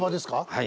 はい。